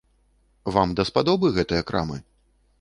Вам даспадобы гэтыя крамы?